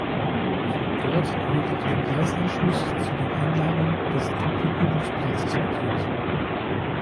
Von dort wird auch der Gleisanschluss zu den Anlagen des Truppenübungsplatzes bedient.